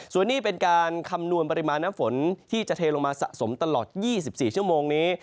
ส่วนนี้เป็นการคำนวณปริมาณน้ำฝนที่จะเทลงมาสะสมตลอด๒๔ชั่วโมงนี้